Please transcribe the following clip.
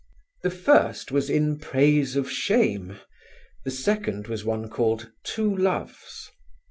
The first was in "Praise of Shame," the second was one called "Two Loves."